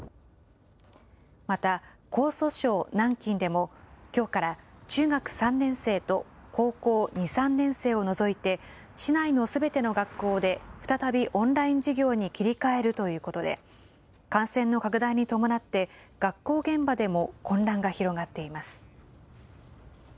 また、江蘇省南京でもきょうから、中学３年生と高校２、３年生を除いて、市内のすべての学校で再びオンライン授業に切り替えるということで、感染の拡大に伴って、学校現場でも混乱が広がっています。